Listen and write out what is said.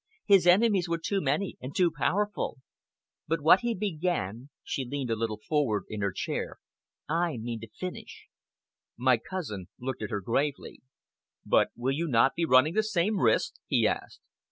His enemies were too many and too powerful! But what he began" she leaned a little forward in her chair "I mean to finish." My cousin looked at her gravely. "But will you not be running the same risk?" he asked.